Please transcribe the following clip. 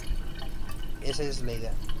Ésa es la idea.